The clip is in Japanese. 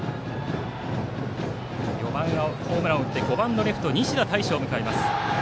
４番がホームランを打って５番の西田大志を迎えています。